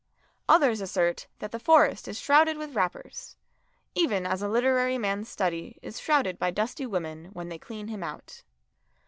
Others assert that the Forest is shrouded with wrappers, even as a literary man's study is shrouded by dusty women when they clean him out.